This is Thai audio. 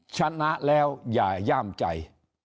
ชนะแล้วอย่าย่ามใจ